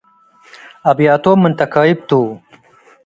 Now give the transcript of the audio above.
አብያቶም ምን ተካይብ ቱ ።